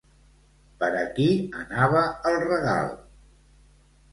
Per a qui anava el regal?